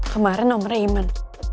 kemarin nomernya iman